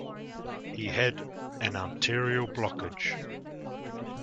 He had an arterial blockage.